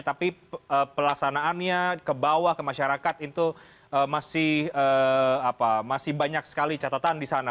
tapi pelaksanaannya ke bawah ke masyarakat itu masih banyak sekali catatan di sana